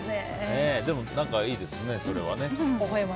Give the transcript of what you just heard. でも、何かいいですね、それは。